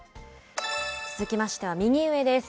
続きましては、右上です。